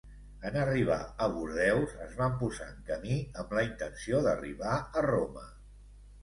En arribar a Bordeus, es van posar en camí amb la intenció d'arribar a Roma.